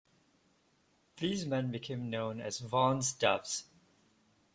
These men became known as 'Vaughan's doves'.